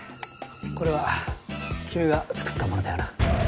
これは君が作ったものだよな。